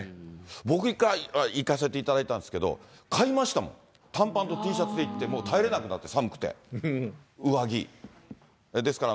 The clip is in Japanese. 僕１回行かせていただいたんですけど、買いましたもん、短パンとＴシャツで行って、もう耐えられなくなって、寒くて、上着。